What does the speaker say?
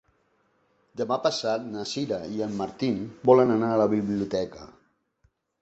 Demà passat na Sira i en Martí volen anar a la biblioteca.